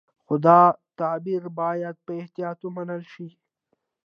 خو دا تعبیر باید په احتیاط ومنل شي.